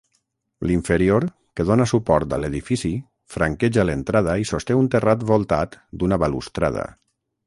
L'inferior, que dóna suport a l'edifici, franqueja l'entrada i sosté un terrat voltat d'una balustrada.